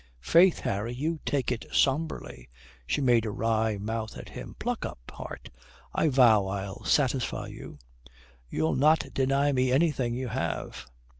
"Faith, Harry, you take it sombrely." She made a wry mouth at him. "Pluck up heart. I vow I'll satisfy you." "You'll not deny me anything you have."